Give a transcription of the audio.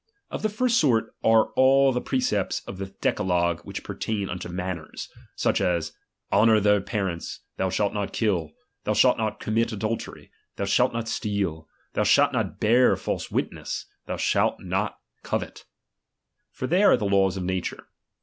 Of the first sort are all the precepts of the decalogue which pertain unto manners ; such as, honour thy parents, thou shall not kill, tliou shall not commit adultery, thou shall not steal, thou shalt not hear false witness, thou shalt not covet ; for they are ■ the laws of nature.